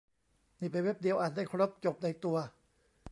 นี่ไปเว็บเดียว อ่านได้ครบ จบในตัว